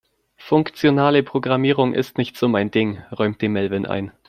Funktionale Programmierung ist nicht so mein Ding, räumte Melvin ein.